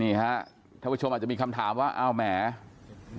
ท่านผู้ชมอาจจะมีคำถามว่าอ้าวแหม